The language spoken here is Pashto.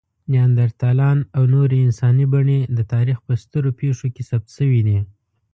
نیاندرتالان او نورې انساني بڼې د تاریخ په سترو پېښو کې ثبت شوي دي.